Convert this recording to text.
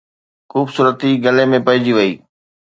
خوبصورتي گلي ۾ پئجي وئي